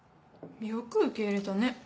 よく受け入れたね。